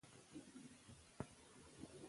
له دې ټولو سره سره د مومند صیب د پښتو ګرانه ده